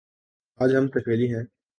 آج ہم طفیلی ہیں۔